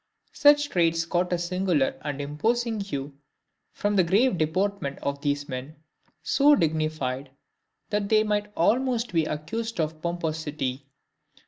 Such traits caught a singular and imposing hue from the grave deportment of these men, so dignified that they might almost be accused of pomposity.